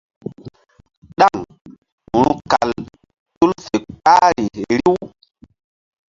Ɗaŋ ru̧kal tul fe kpahri riw.